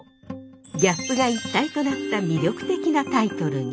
ギャップが一体となった魅力的なタイトルに。